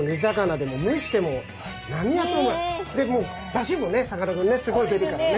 でもうだしもねさかなクンねすごい出るからね。